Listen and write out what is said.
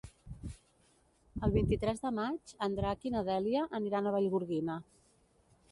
El vint-i-tres de maig en Drac i na Dèlia aniran a Vallgorguina.